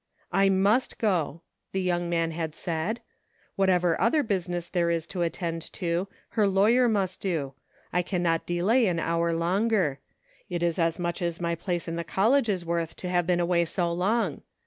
"I must ^o^' the young man had said; "what ever other business there is to attend to, her lawyer must do ; I can not delay an hour longer ; it is as much as my place in the college is worth to have been away so long.